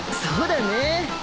そうだね。